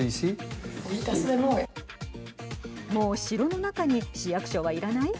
もう城の中に市役所はいらない。